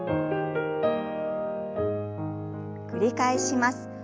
繰り返します。